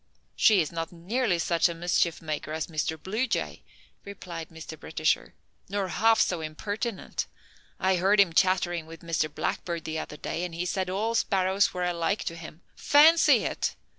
"She is not nearly such a mischief maker as Mr. Blue Jay," replied Mr. Britisher, "nor half so impertinent. I heard him chattering with Mr. Blackbird the other day and he said all sparrows were alike to him. Fancy it!